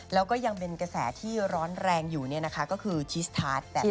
แล้วก็ยังเป็นกระแสที่ร้อนแรงอยู่ก็คือทิสทาสแบบนี้